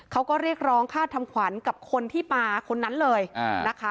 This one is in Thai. เขาก็เรียกร้องค่าทำขวัญกับคนที่มาคนนั้นเลยนะคะ